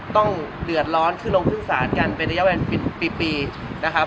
ต้องเหลือดร้อนขึ้นลงพึ่งศาลกันเป็นระยะวันปีนะครับ